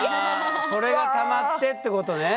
それがたまってってことね？